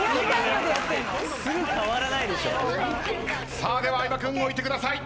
では相葉君置いてください。